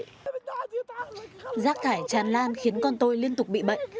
rác thải tràn lan khiến con tôi liên tục bị bệnh